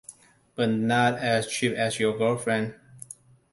But not as cheap as your girlfriend.